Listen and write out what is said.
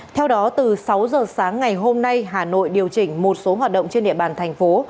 theo đó từ sáu giờ sáng ngày hôm nay hà nội điều chỉnh một số hoạt động trên địa bàn thành phố